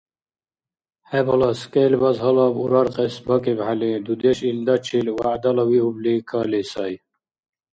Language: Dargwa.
ХӀебалас, кӀел баз гьалаб ураркьес бакӀибхӀели, дудеш илдачил вягӀдалавиубли кали сай.